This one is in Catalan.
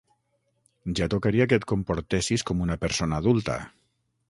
Ja tocaria que et comportessis com una persona adulta.